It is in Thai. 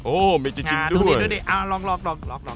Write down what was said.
โอ้มีจริงด้วย